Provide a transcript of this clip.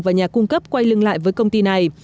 và nhà cung cấp quay lưng lại với công ty này